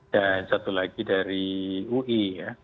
dan satu lagi dari ui